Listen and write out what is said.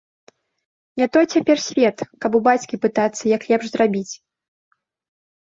Не той цяпер свет, каб у бацькі пытацца, як лепш зрабіць.